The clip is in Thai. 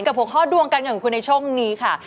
หัวข้อดวงการเงินของคุณในช่วงนี้ค่ะ